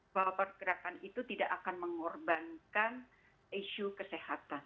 bahwa pergerakan itu tidak akan mengorbankan isu kesehatan